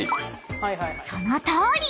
［そのとおり。